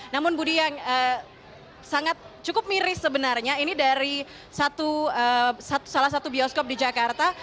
namun budi yang cukup miris sebenarnya ini dari salah satu bioskop di jakarta